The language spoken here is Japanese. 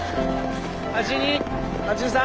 ８２８３。